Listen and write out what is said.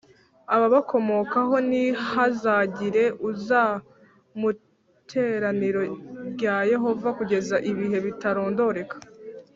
ababakomokaho ntihazagire uza mu iteraniro rya Yehova kugeza ibihe bitarondoreka